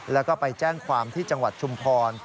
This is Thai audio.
แล้วก็ไปแจ้งความที่จังหวัดชุมพร